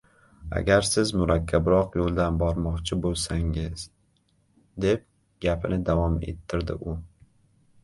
Agar siz murakkabroq yoʻldan bormoqchi boʻlsangiz, – deb gapini davom ettirdi u